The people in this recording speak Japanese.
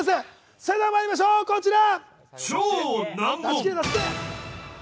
それではまいりましょう、こちら。